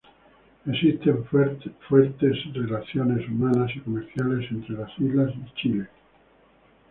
Existen fuertes relaciones humanas y comerciales entre las islas y Chile.